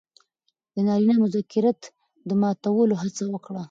د نرينه مرکزيت د ماتولو هڅه وکړه